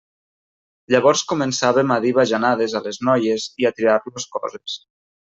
Llavors començàvem a dir bajanades a les noies i a tirar-los coses.